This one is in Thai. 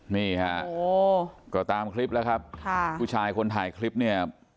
นี่ฮะก็ตามคลิปแล้วครับค่ะผู้ชายคนถ่ายคลิปเนี่ย